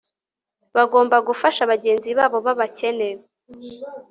Bagomba gufasha bagenzi babo babakene